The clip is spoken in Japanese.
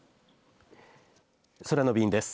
空の便です。